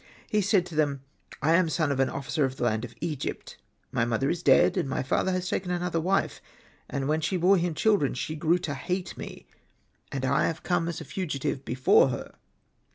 '' He said to them, '' I am son of" an officer of the land of Egypt ; my mother is dead, and my father has taken another wife. And when she bore children, she grew to hate me, and I have come as a fugitive from before her."